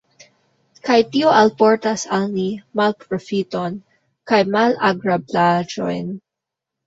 Kaj tio alportas al ni malprofiton kaj malagrablaĵojn.